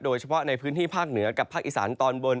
โดยเฉพาะในพื้นที่ภาคเหนือกับภาคอีสานตอนบน